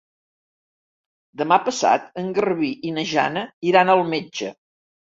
Demà passat en Garbí i na Jana iran al metge.